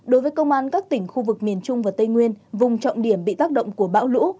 đối với công an các tỉnh khu vực miền trung và tây nguyên vùng trọng điểm bị tác động của bão lũ